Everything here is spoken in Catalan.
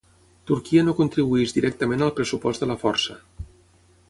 Turquia no contribueix directament al pressupost de la força.